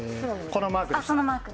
このマークですか。